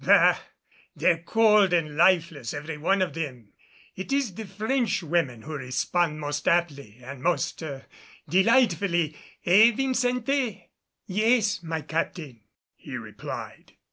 "Bah! they're cold and lifeless every one of them. It is the French women who respond most aptly and most er delightfully eh, Vincente?" "Yes, my captain," he replied.